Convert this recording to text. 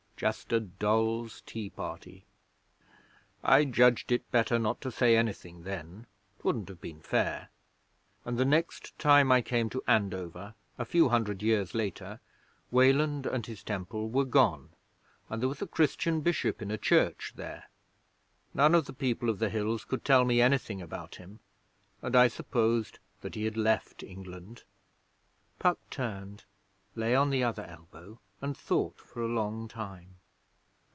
Just a dolls' tea party! 'I judged it better not to say anything then ('twouldn't have been fair), and the next time I came to Andover, a few hundred years later, Weland and his temple were gone, and there was a Christian bishop in a church there. None of the People of the Hills could tell me anything about him, and I supposed that he had left England.' Puck turned; lay on the other elbow, and thought for a long time.